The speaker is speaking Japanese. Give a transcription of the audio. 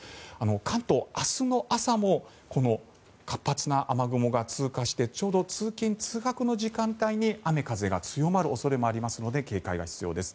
関東は明日の朝も活発な雨雲が通過してちょうど通勤・通学の時間帯に雨風が強まる恐れがありますので警戒が必要です。